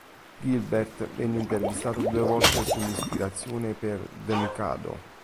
Gilbert venne intervistato due volte sulla ispirazione per "The Mikado".